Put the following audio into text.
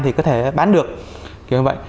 thì có thể bán được kiểu như vậy